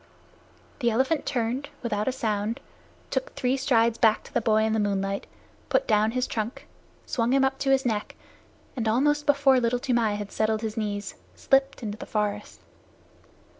The elephant turned, without a sound, took three strides back to the boy in the moonlight, put down his trunk, swung him up to his neck, and almost before Little Toomai had settled his knees, slipped into the forest.